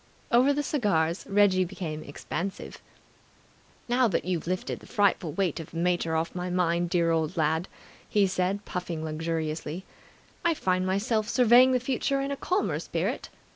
Over the cigars Reggie became expansive. "Now that you've lifted the frightful weight of the mater off my mind, dear old lad," he said, puffing luxuriously, "I find myself surveying the future in a calmer spirit.